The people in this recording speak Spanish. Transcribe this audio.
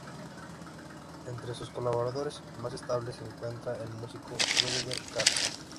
Entre sus colaboradores más estables, se encuentra el músico Rüdiger Carl.